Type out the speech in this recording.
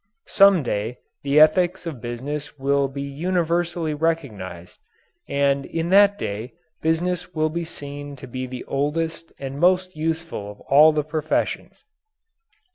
Some day the ethics of business will be universally recognized, and in that day business will be seen to be the oldest and most useful of all the professions.